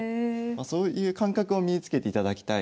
そういう感覚を身につけていただきたい。